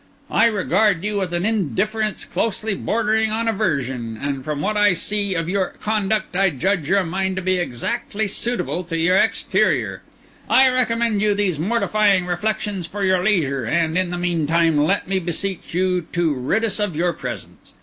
I regard you with an indifference closely bordering on aversion; and from what I now see of your conduct, I judge your mind to be exactly suitable to your exterior. I recommend you these mortifying reflections for your leisure; and, in the meantime, let me beseech you to rid us of your presence.